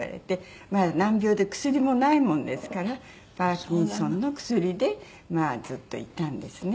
難病で薬もないもんですからパーキンソンの薬でまあずっといったんですね。